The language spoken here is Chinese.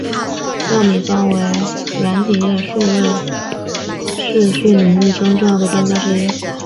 廖敏芳为软体业数位视讯领域中重要的专家之一。